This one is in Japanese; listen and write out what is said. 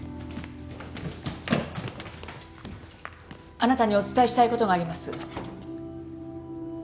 あなたにお伝えしたい事があります。